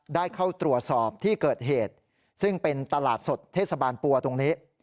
ได้เข้าตรวจสอบที่เกิดเหตุซึ่งเป็นตลาดสดเทศบาลปัวตรงนี้